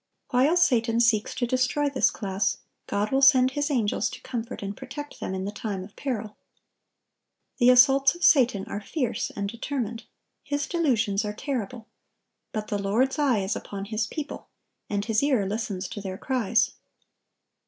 While Satan seeks to destroy this class, God will send His angels to comfort and protect them in the time of peril. The assaults of Satan are fierce and determined, his delusions are terrible; but the Lord's eye is upon His people, and His ear listens to their cries.